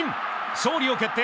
勝利を決定